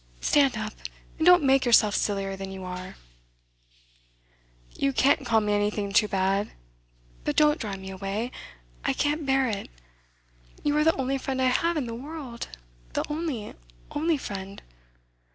Stand up, and don't make yourself sillier than you are.' 'You can't call me anything too bad but don't drive me away. I can't bear it. You are the only friend I have in the world the only, only friend.